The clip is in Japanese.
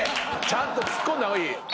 ちゃんとツッコんだ方がいい。